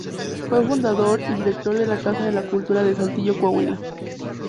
Fue fundador y director de la Casa de la Cultura de Saltillo, Coahuila.